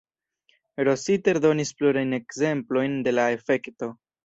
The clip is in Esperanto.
Rossiter donis plurajn ekzemplojn de la efekto.